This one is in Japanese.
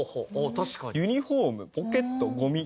「ユニフォームポケットごみ」。